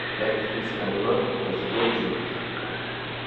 L'actrice Anémone présidait le jury.